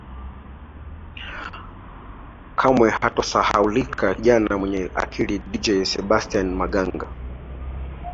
Kamwe hatosahaulika kijana mwenye akili Dj Sebastian Maganga